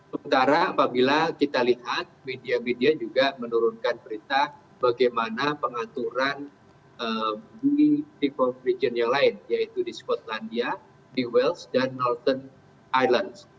sementara apabila kita lihat media media juga menurunkan berita bagaimana pengaturan default region yang lain yaitu di scotlandia di wales dan northern ireland